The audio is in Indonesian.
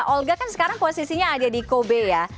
olga kan sekarang posisinya ada di kobe ya